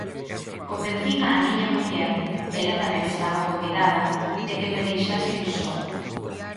Convencín á miña muller _ela tamén estaba convidada_ de que me deixase ir só.